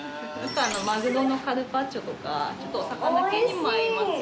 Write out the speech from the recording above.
マグロのカルパッチョとかお魚系にも合いますし。